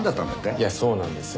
いやそうなんですよ。